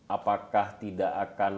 apakah tidak akan